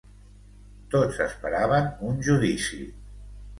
Tots esperaven un judici.